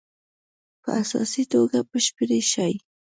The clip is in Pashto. په اساسي توګه بشپړې شي.